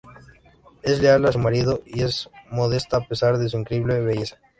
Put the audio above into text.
Es leal a su marido y es modesta, a pesar de su increíble belleza.